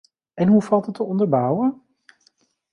En hoe valt het te onderbouwen?